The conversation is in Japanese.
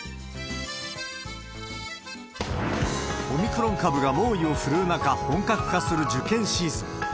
オミクロン株が猛威を振るう中、本格化する受験シーズン。